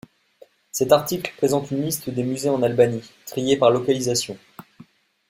Cet article présente une liste des musées en Albanie, triés par localisation.